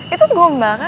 itu gombal kak